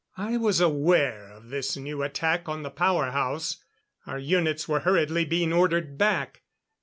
I was aware of this new attack on the power house. Our units were hurriedly being ordered back.